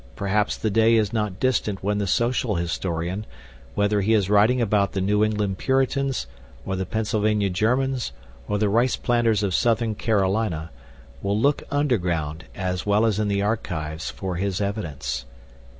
Perhaps the day is not distant when the social historian, whether he is writing about the New England Puritans, or the Pennsylvania Germans, or the rice planters of Southern Carolina, will look underground, as well as in the archives, for his evidence."